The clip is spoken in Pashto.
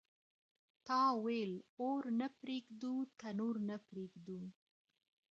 تا ويل اور نه پرېږدو تنور نه پرېږدو